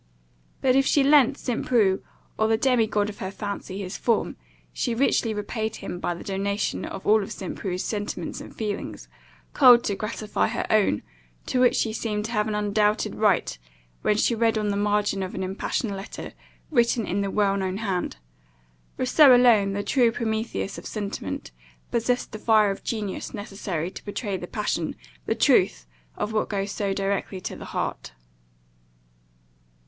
But if she lent St. Preux, or the demi god of her fancy, his form, she richly repaid him by the donation of all St. Preux's sentiments and feelings, culled to gratify her own, to which he seemed to have an undoubted right, when she read on the margin of an impassioned letter, written in the well known hand "Rousseau alone, the true Prometheus of sentiment, possessed the fire of genius necessary to pourtray the passion, the truth of which goes so directly to the heart."